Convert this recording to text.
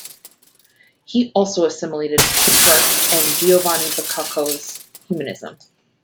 He also assimilated Petrarch and Giovanni Boccaccio's Humanism.